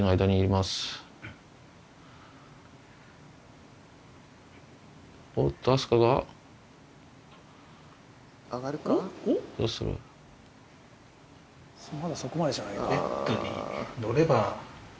まだそこまでじゃないか。